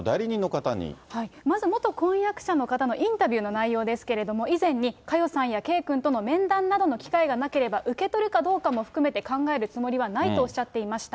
まず、元婚約者の方のインタビューの内容ですけれども、以前に、佳代さんや圭君との面談などの機会がなければ、受け取るかどうかも含めて考えるつもりはないとおっしゃっていました。